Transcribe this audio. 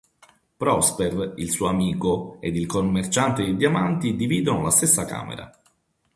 Prosper, il suo amico, ed il commerciante di diamanti dividono la stessa camera.